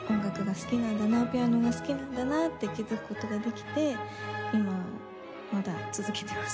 ピアノが好きなんだなって気づく事ができて今まだ続けています。